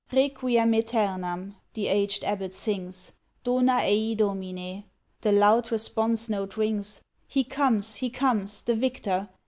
"Requiem æternam," The aged Abbot sings; "Dona ei Domine," The loud response note rings. He comes! he comes! the victor!